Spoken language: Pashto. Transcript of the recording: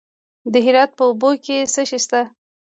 د هرات په اوبې کې څه شی شته؟